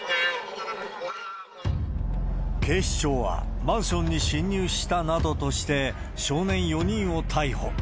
警視庁はマンションに侵入したなどとして、少年４人を逮捕。